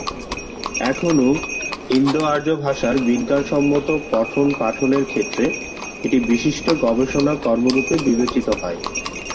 এখনও ইন্দো-আর্য ভাষার বিজ্ঞানসম্মত পঠন-পাঠনের ক্ষেত্রে এটি বিশিষ্ট গবেষণা কর্মরূপে বিবেচিত হয়।